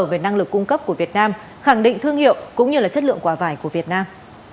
về năng lực cung cấp của việt nam khẳng định thương hiệu cũng như là chất lượng quả vải của việt nam